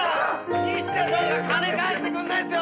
西田さんが金返してくんないんっすよ！